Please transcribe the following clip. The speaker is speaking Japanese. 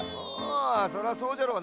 そりゃそうじゃろう